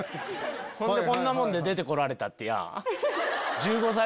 ほんでこんなもんで出てこられたって。